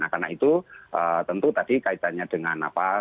karena itu tentu tadi kaitannya dengan apa